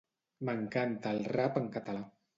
M'encanta el rap en català.